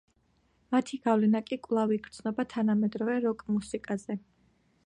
მათი გავლენა კი კვლავ იგრძნობა თანამედროვე როკ-მუსიკაზე.